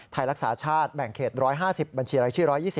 ไทยรักษาชาติแบ่งเขต๑๕๐บัญชีรายชื่อ๑๒๐